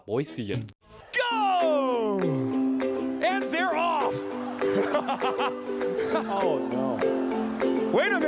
เดี๋ยวหน่า